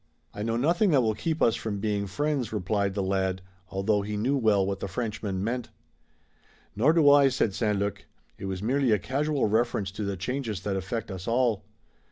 "I know nothing that will keep us from being friends," replied the lad, although he knew well what the Frenchman meant. "Nor do I," said St. Luc. "It was merely a casual reference to the changes that affect us all.